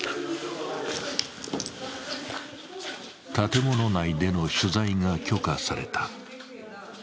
建物内での取材が許可された。